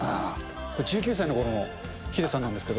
これ、１９歳のころのヒデさんなんですけど。